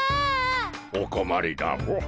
おこまりだモ。